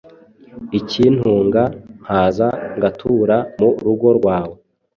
ikintunga, nkaza ngatura mu rugo rwawe,